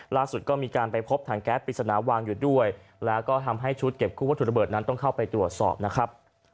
ล่าสุดก็มีการไปพบถังแก๊สปริศนาวางอยู่ด้วยแล้วก็ทำให้ชุดเก็บกู้วัตถุระเบิดนั้นต้องเข้าไปตรวจสอบนะครับ